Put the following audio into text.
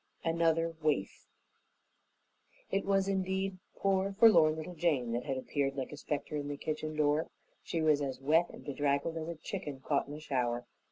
Another Waif It was indeed poor, forlorn little Jane that had appeared like a specter in the kitchen door. She was as wet and bedraggled as a chicken caught in a shower.